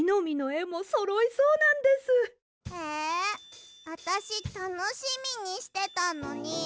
えあたしたのしみにしてたのに。